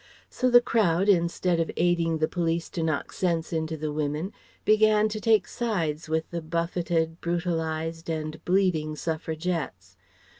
So the crowd instead of aiding the police to knock sense into the women began to take sides with the buffeted, brutalized and bleeding Suffragettes.